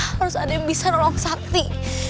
harus ada yang bisa rom sakti